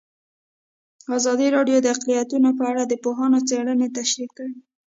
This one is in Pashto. ازادي راډیو د اقلیتونه په اړه د پوهانو څېړنې تشریح کړې.